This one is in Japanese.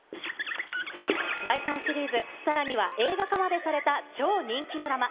第３シリーズ、さらには映画化までされた超人気ドラマ。